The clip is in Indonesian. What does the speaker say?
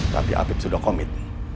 tapi ati sudah komit